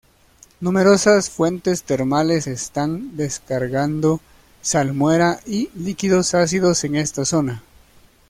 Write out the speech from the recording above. Numerosas fuentes termales están descargando salmuera y líquidos ácidos en esta zona.